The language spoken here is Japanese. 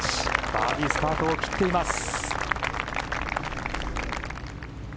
バーディースタートを切っています。